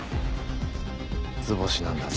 図星なんだね。